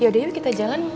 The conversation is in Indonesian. yaudah yuk kita jalan